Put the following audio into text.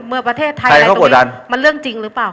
เมื่อประเทศไทยอะไรตรงนี้มันเรื่องจริงหรือเปล่าคะ